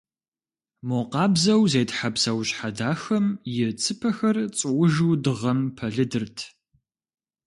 Мо къабзэу зетхьэ псэущхьэ дахэм и цыпэхэр цӀуужу дыгъэм пэлыдырт.